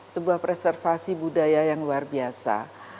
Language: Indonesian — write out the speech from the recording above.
sebuah preservasi budaya yang luar biasa